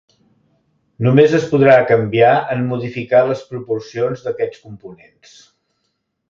Només es podrà canviar en modificar les proporcions d'aquests components.